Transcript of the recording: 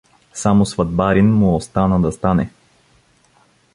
Само сватбарин му остана да стане!